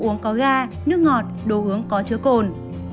uống có ga nước ngọt đố hướng có chứa cồn